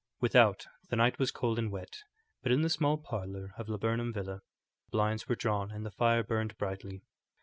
Without, the night was cold and wet, but in the small parlour of Laburnam Villa the blinds were drawn and the fire burned brightly.